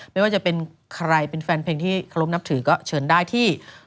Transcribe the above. ไม่ว่าจะเป็นใครเป็นแฟนเพลงที่เคารพนับถือก็เชิญได้ที่